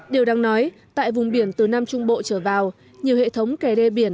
điều đáng nói tại vùng biển từ nam trung bộ trở vào nhiều hệ thống kè đê biển